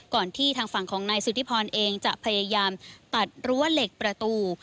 ที่ทางฝั่งของนายสุธิพรเองจะพยายามตัดรั้วเหล็กประตู